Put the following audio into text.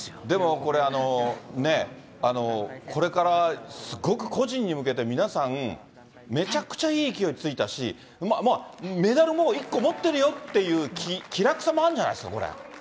でも、これね、これからすごく個人に向けて、皆さん、めちゃくちゃいい勢いがついたし、まあ、メダル１個持ってるよっていう気楽さもあるんじゃないんですか？